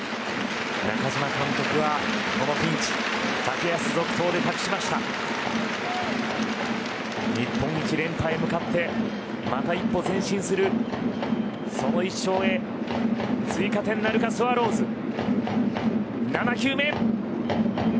中嶋監督はこのピンチ竹安続投でたくしました日本一連覇へ向かってまた一歩前進するその１勝へ追加点なるかスワローズ７球目。